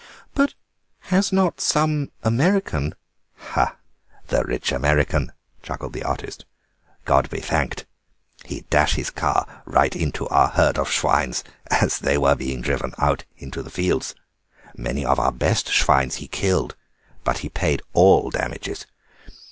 "But has not some American—?" "Ah, the rich American," chuckled the artist. "God be thanked. He dash his car right into our herd of schwines as they were being driven out to the fields. Many of our best schwines he killed, but he paid all damages.